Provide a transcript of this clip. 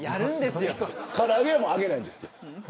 空揚げはもう揚げないんですよ。